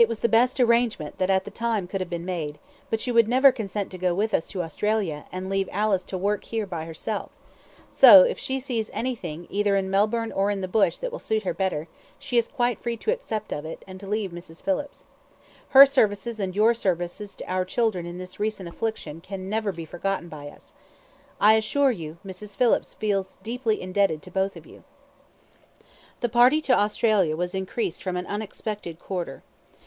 "It was the best arrangement that at the time could have been made; but you would never consent to go with us to Australia, and leave Alice to work here by herself; so, if she sees anything, either in Melbourne or in the bush that will suit her better, she is quite free to accept of it, and to leave Mrs. Phillips. Her services and your services to our children in this recent affliction can never be forgotten by us. I can assure you, Mrs. Phillips feels deeply indebted to both of you." The party to Australia was increased from an unexpected quarter.